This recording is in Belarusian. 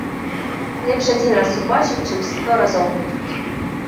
Лепш адзін раз убачыць, чым сто разоў пачуць!